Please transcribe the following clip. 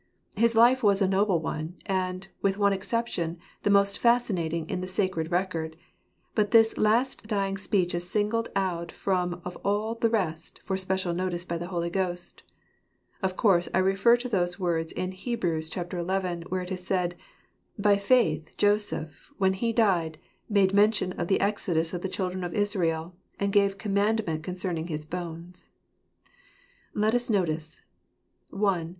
His life was a noble one, and, with one exception, the most fascinating in the sacred record ; but this last dying speech is singled out from all the rest for special notice of the Holy Ghost Of course, I refer to those words in Heb. xi., where it is said, "By faith Joseph, when he died, made mention of the exodus of the children of Israel; and gave commandment con cerning his bones." Let us notice — I.